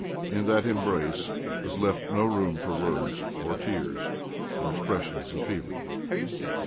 In that embrace was left no room for words or tears or expressions of feeling